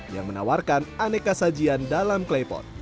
yang menawarkan aneka sajian dalam klepot